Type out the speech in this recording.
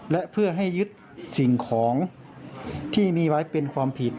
และเพื่อให้ยึดสิ่งของที่มีไว้เป็นความผิด